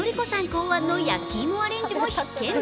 考案の焼き芋アレンジも必見。